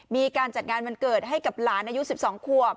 มีการจัดงานวันเกิดให้กับหลานอายุ๑๒ขวบ